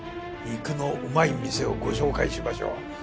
肉のうまい店をご紹介しましょう。